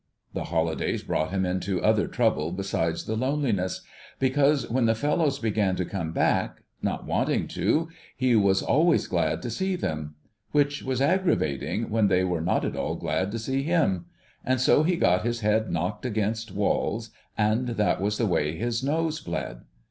The holidays brought him into other trouble besides the loneliness ; because when the fellows began to come back, not wanting to, he was always glad to see them ; which was aggravating when they were not at all glad to see him, and so he got his head knocked against walls, and that was the way his nose bled.